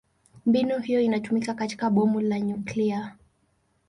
Mbinu hiyo inatumiwa katika bomu la nyuklia.